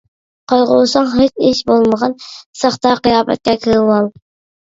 قايغۇرساڭ، ھېچ ئىش بولمىغان ساختا قىياپەتكە كىرىۋال.